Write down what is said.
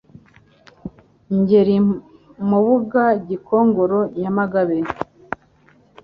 Ngeli Mubuga Gikongoro Nyamagabe